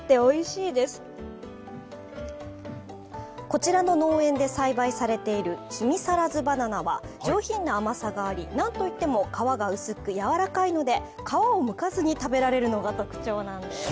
こちらの農園で栽培されている、きみさらずバナナは、上品な甘さがありなんといっても皮が薄くやわらかいので皮をむかずに食べられるのが特徴なんです。